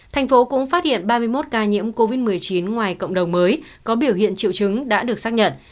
thành phố cũng phát hiện ba mươi một ca nhiễm covid một mươi chín ngoài cộng đồng mới có biểu hiện triệu chứng đã được xác nhận